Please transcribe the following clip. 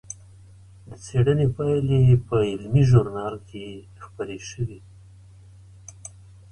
د څېړنې پایلې د علمي ژورنال کې خپرې شوې.